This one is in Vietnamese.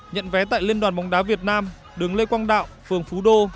nhận vé tại liên đoàn bóng đá việt nam đường lê quang đạo phường phú đô